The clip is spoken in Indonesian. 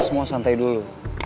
semua santai dulu